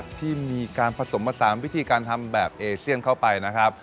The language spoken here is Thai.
ที่มีการผสมผสานวิธีการทำแบบเอเชียนเข้าไปนะครับ